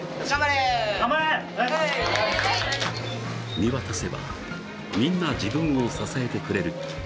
見渡せばみんな自分を支えてくれる。